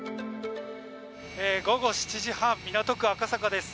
午後７時半港区赤坂です。